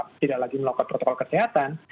tapi misalnya selalu tidak melakukan protokol kesehatan